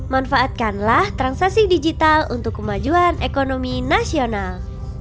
manfaatkanlah transaksi digital untuk kemajuan ekonomi nasional